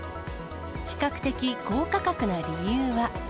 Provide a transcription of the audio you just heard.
比較的、高価格な理由は。